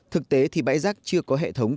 thực tế thì bãi rác chưa có hệ thống